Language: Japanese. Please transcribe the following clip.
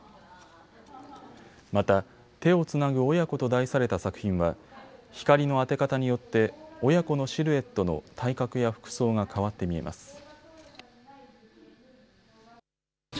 また、手をつなぐ親子と題された作品は光の当て方によって親子のシルエットの体格や服装が変わって見えます。